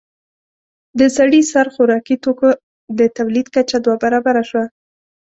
د سړي سر خوراکي توکو د تولید کچه دوه برابره شوه